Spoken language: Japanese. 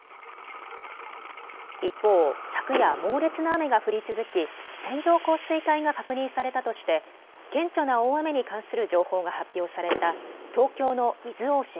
一方、昨夜、猛烈な雨が降り続き線状降水帯が確認されたとして顕著な大雨に関する情報が発表された東京の伊豆大島。